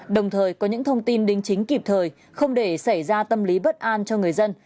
đồng thời có những thông tin đính chính kịp thời không để xảy ra tâm lý bất an cho người dân